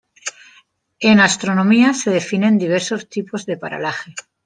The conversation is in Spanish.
En astronomía se definen diversos tipos de paralaje.